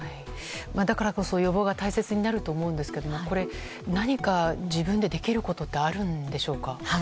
だからこそ、予防が大切になると思うんですけど何か自分でできることってあるんでしょうか。